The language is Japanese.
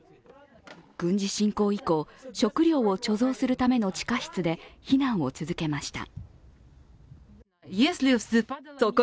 軍事侵攻以降、食料を貯蔵するための地下室で避難を続けました。